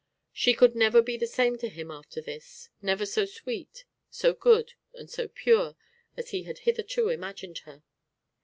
She could never be the same to him after this, never so sweet, so good and so pure as he had hitherto imagined her.